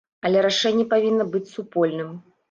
Але рашэнне павінна быць супольным.